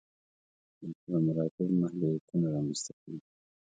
سلسله مراتبو محدودیتونه رامنځته کوي.